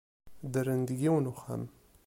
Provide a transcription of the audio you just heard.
Ddren deg yiwen n uxxam.